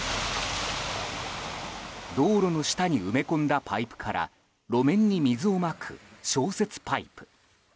道路の下に埋め込んだパイプから路面に水をまく消雪パイプ。